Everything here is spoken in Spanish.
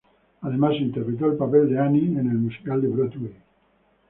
Además, interpretó el papel de "Annie" en el musical de Broadway.